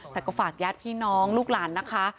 แต่ก็ฝากญาติพี่น้องลูกหลานนะคะ